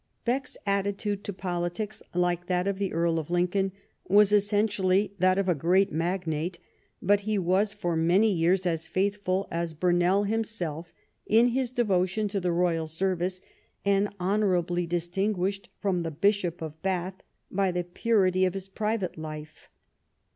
Bek's attitude to politics, like that of the Earl of Lincoln, was essentially that of a great magnate ; but he was for many years as faithful as Burnell himself in his devotion to the royal service, and honourably distinguished from the Bishop of Bath by the purity of his private life.